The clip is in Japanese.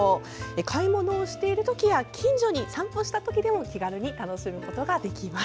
買い物をしている時や近所に散歩した時でも気軽に楽しむことができます。